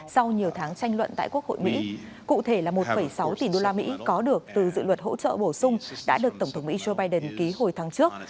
sau nhiều tháng tranh luận tại quốc hội mỹ cụ thể là một sáu tỷ usd có được từ dự luật hỗ trợ bổ sung đã được tổng thống mỹ joe biden ký hồi tháng trước